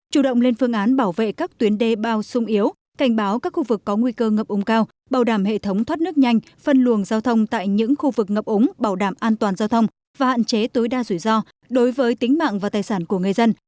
chủ động lên phương án bảo vệ các tuyến đê bao sung yếu cảnh báo các khu vực có nguy cơ ngập ống cao bảo đảm hệ thống thoát nước nhanh phân luồng giao thông tại những khu vực ngập ống bảo đảm an toàn giao thông và hạn chế tối đa rủi ro đối với tính mạng và tài sản của người dân